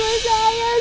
besok juga sayang